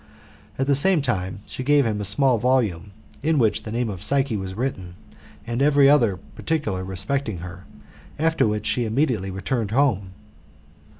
At the sam.e time, she gave him a small volume, in which the name of Psyche was written, and every other particular respecting her, after which she immediately returned home.